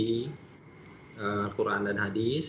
dan kita juga mengadakan kajian untuk mengambil alat al quran dan hadis